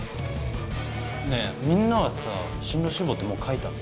ねえみんなはさ進路志望ってもう書いた？